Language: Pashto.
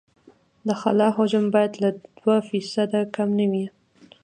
د خلا حجم باید له دوه فیصده کم نه وي